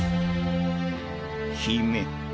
姫。